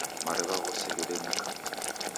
Mariw'a ghose ghededika.